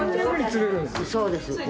そうです。